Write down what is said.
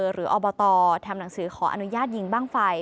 อบตทำหนังสือขออนุญาตยิงบ้างไฟ